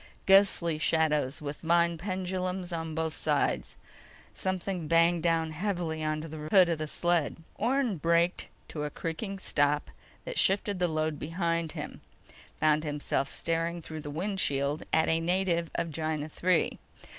Ghostly shadows with vine pendulums on both sides. Something banged down heavily onto the hood of the sled. Orne braked to a creaking stop that shifted the load behind him, found himself staring through the windshield at a native of Gienah III.